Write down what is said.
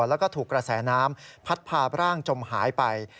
แล้วก็ถูกกระแสน้ำพัดพาร่างจมหายไป